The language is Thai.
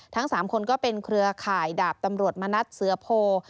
ทั้ง๓คนก็เป็นเครือข่ายดาบตำรวจมณัฐเสือโพ